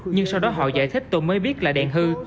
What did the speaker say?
nhưng sau đó họ giải thích tôi mới biết là đèn hư